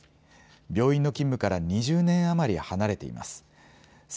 病院の勤務から２０年余り離れています。